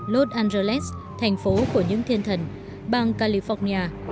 los angeles thành phố của những thiên thần bang california